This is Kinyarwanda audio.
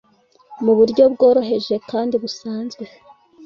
mu buryo bworoheje kandi busanzwe